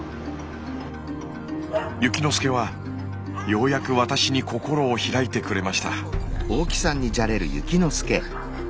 ゆきのすけはようやく私に心を開いてくれました。